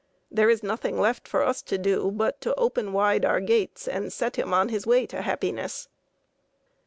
There is nothing left for us to do but to open wide our gates and set him on his way to happiness.